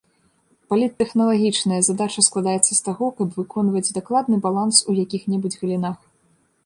Паліттэхналагічная задача складаецца з таго, каб выконваць дакладны баланс у якіх-небудзь галінах.